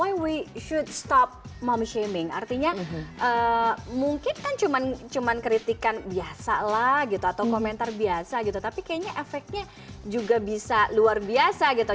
oy we shood stop mom shaming artinya mungkin kan cuma kritikan biasa lah gitu atau komentar biasa gitu tapi kayaknya efeknya juga bisa luar biasa gitu